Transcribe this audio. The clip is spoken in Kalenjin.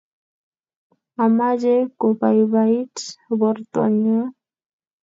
Amache kobaibait borto nyu